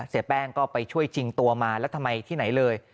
เสียแป้งก็ไปช่วยชิงตัวมาแล้วทำไมที่ไหนเลย